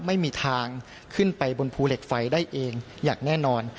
ไม่มีทางขึ้นไปบนภูเหล็กไฟได้เองอย่างแน่นอน